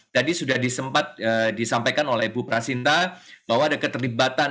tadi sudah disempat disampaikan oleh ibu prasinta bahwa ada keterlibatan